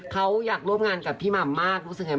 เขาอยากร่วมงานกับพี่หม่ำมากรู้สึกไง